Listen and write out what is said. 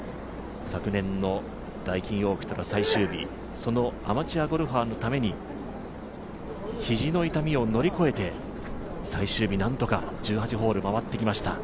昨年のダイキンオーキッドの最終日、そのアマチュアゴルファーのために肘の痛みを乗り越えて、最終日なんとか１８ホール回ってきました。